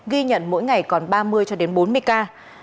ghi nhận mỗi ngày còn ba mươi bốn mươi ca